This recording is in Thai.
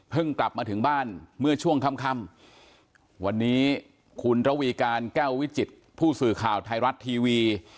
กลับมาถึงบ้านเมื่อช่วงค่ำวันนี้คุณระวีการแก้ววิจิตผู้สื่อข่าวไทยรัฐทีวี